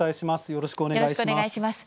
よろしくお願いします。